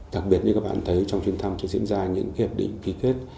đặc biệt như các bạn thấy trong chuyến thăm sẽ diễn ra những hiệp định ký kết